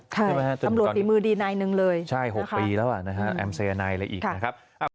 ใช่คำรวจภีมือดีนายนึงเลยนะคะใช่๖ปีแล้วแอมเซอไนอะไรอีกนะครับ